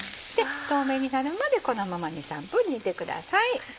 透明になるまでこのまま２３分煮てください。